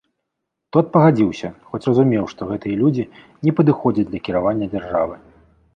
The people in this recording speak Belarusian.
Тот пагадзіўся, хоць разумеў, што гэтыя людзі не падыходзяць для кіравання дзяржавы.